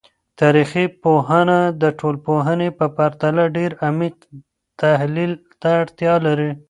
تاریخي پوهنه د ټولنپوهنې په پرتله ډیر عمیق تحلیل ته اړتیا لري.